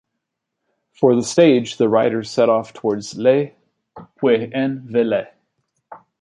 For the stage, the riders set off towards Le Puy-en-Velay.